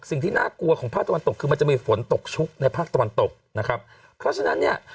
สิ่งที่น่ากลัวของภาคตะวันตกคือมันจะมีฝนตกชุกในภาคตะวันตกนะครับเพราะฉะนั้นเนี่ย